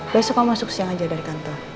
besok kamu masuk siang aja dari kantor